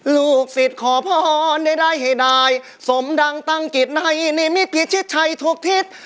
ลูกศิษย์ขอพรได้ได้ให้ได้สมดังตั้งกิจในนิมิติผิดชิดชัยทุกทิศ